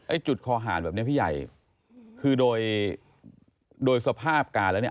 ไอ้จุดคอหาดแบบนี้พี่ใหญ่คือโดยสภาพการณ์แล้วเนี่ย